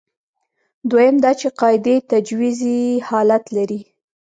دویم دا چې قاعدې تجویزي حالت لري.